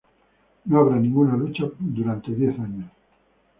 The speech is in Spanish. No habrá ninguna lucha por diez años.